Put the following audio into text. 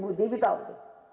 buah dewi tahu